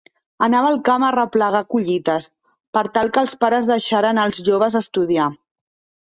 Anava al camp a arreplegar collites, per tal que els pares deixaren als joves estudiar.